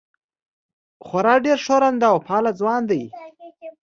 خورا ډېر ښورنده او فعال ځوان دی.